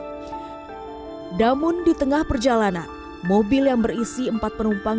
namun di tengah perjalanan mobil yang berisi empat penumpang